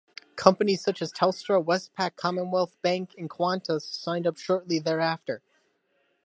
Companies such as Telstra, Westpac, Commonwealth Bank, and Qantas signed up shortly thereafter.